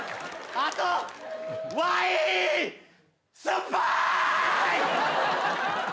あとワイン酸っぱい！！